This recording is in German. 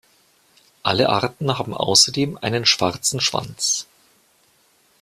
Alle Arten haben außerdem einen schwarzen Schwanz.